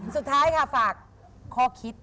สุดท้ายค่ะฝากข้อคิด